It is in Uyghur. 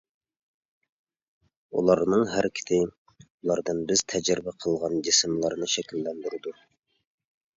ئۇلارنىڭ ھەرىكىتى ئۇلاردىن بىز تەجرىبە قىلغان جىسىملارنى شەكىللەندۈرىدۇ.